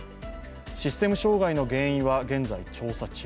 システム障害の原因は現在調査中。